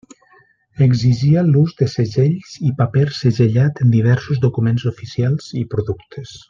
Exigia l'ús de segells i paper segellat en diversos documents oficials i productes.